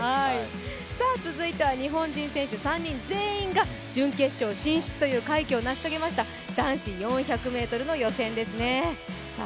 続いては日本人選手３人全員が準決勝進出という快挙を成し遂げました男子４００ｍの予選ですね。